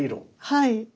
はい。